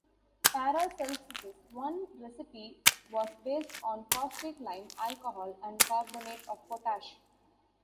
Paracelsus' own recipe was based on caustic lime, alcohol, and carbonate of potash.